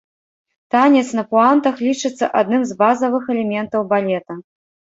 Танец на пуантах лічыцца адным з базавых элементаў балета.